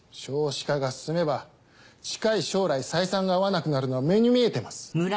少子化が進めば近い将来採算が合わなくなるのは目に見えています。